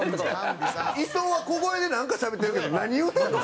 伊藤は小声でなんかしゃべってるけど何言うてるの？